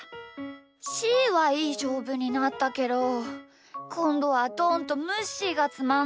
しーはいいしょうぶになったけどこんどはどんとむっしーがつまんなそうだな。